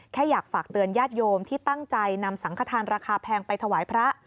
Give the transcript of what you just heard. แค่อยากฝากเตือนญาติโยมที่ตั้งใจนำสังขทานราคาแพงไปถวายพระ